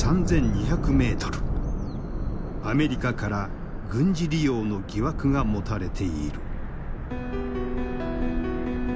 アメリカから軍事利用の疑惑が持たれている。